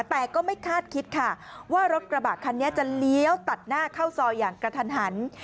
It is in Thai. แต่ก็ไม่คาดคิดค่ะว่ารถกระบะคันนี้จะเลี้ยวตัดหน้าเข้าซอยอย่างกระทันหัน